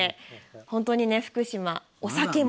本当に福島、お酒も。